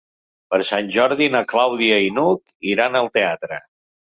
Per Sant Jordi na Clàudia i n'Hug iran al teatre.